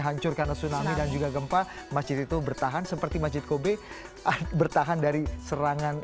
hancur karena tsunami dan juga gempa masjid itu bertahan seperti masjid kobe bertahan dari serangan